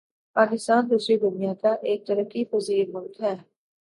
پاکستان دوسری دنیا کا ایک ترقی پزیر ملک ہے